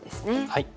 はい。